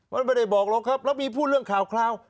มันไม่ได้บอกหรอกครับแล้วมีพูดเรื่องข่าว